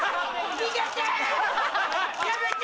逃げて！